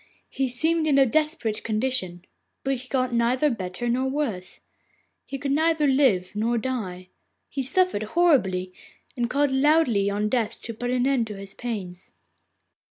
He seemed in a desperate condition, but he got neither better nor worse. He could neither live nor die; he suffered horribly, and called loudly on Death to put an end to his pains.